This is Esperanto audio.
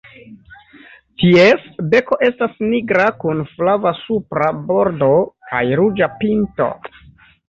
Ties beko estas nigra kun flava supra bordo kaj ruĝa pinto.